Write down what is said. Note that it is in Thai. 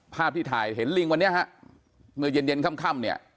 ภาพที่ถ่ายเห็นลิงวันนี้มันเย็นข้ำ